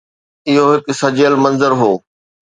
اهو هڪ سجيل منظر هو